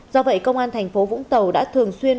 do vậy công an thành phố vũng tàu đã thường xuyên